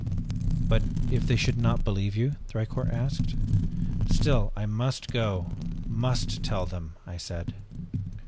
"'But if they should not believe you?' Thicourt asked. "'Still I must go must tell them,' I said.